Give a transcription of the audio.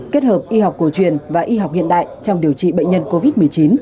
kết hợp y học cổ truyền và y học hiện đại trong điều trị bệnh nhân covid một mươi chín